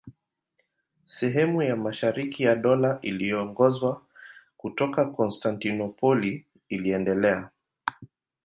Sehemu ya mashariki ya Dola iliyoongozwa kutoka Konstantinopoli iliendelea.